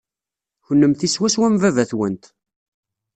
Kenemti swaswa am baba-twent.